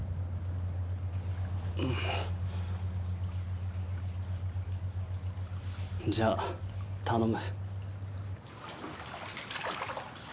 んっ。じゃあ頼む。